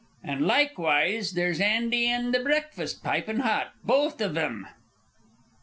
An' likewise there's Andy an' the breakfast pipin' hot, both iv them."